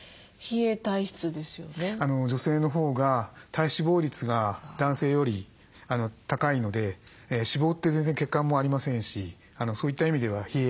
女性の方が体脂肪率が男性より高いので脂肪って全然血管もありませんしそういった意味では冷えやすいんです。